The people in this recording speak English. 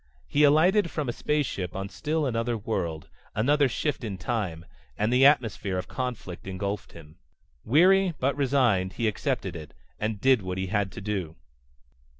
He alighted from a space ship on still another world another shift in time and the atmosphere of conflict engulfed him. Weary but resigned he accepted it, and did what he had to do